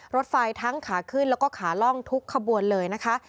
รถไฟทั้งขาขึ้นแล้วก็ขาล่องทุกขบวนเลยนะคะ